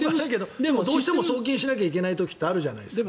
どうしても送金しなきゃいけない時ってあるじゃないですか。